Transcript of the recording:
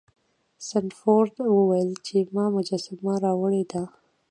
سنډفورډ وویل چې ما مجسمه راوړې ده.